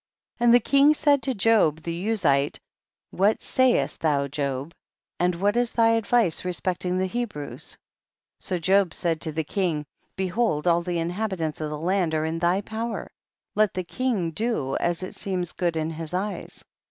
42. And the king said to Job the Uzite, what sayest thou Job, and what is thy advice respecting the Hebrews ? 43. So Job said to the king, behold all the inhabitants of the land are in thy power, let the king do as it seems good in his eyes.